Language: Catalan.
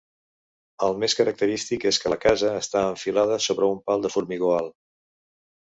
El més característic és que la casa està enfilada sobre un pal de formigó alt.